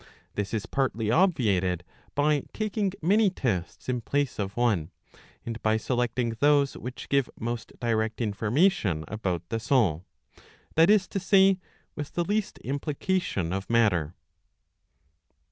This is partly obviated by taking many tests in place of one, and by selecting those which give most direct information about the soul, that is to say, with the least implication of matter.